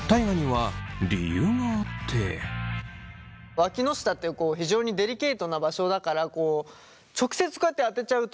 わきの下ってこう非常にデリケートな場所だからこう直接こうやって当てちゃうと。